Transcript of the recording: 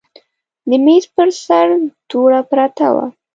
د میز پر سر دوړه پرته وه.